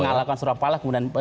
mengalahkan surya paloh